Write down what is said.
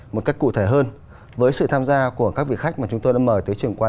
một cách cụ thể hơn với sự tham gia của các vị khách mà chúng tôi đã mời tới trường quay của trường nhân dân